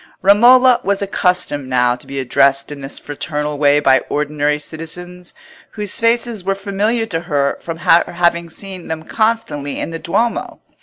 Romola was accustomed now to be addressed in this fraternal way by ordinary citizens, whose faces were familiar to her from her having seen them constantly in the Duomo.